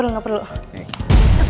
di sini ada satu